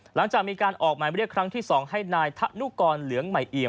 หลังจากมีการออกหมายเรียกครั้งที่๒ให้นายธะนุกรเหลืองใหม่เอี่ยม